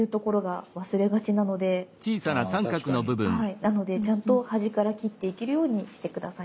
なのでちゃんと端から切っていけるようにして下さい。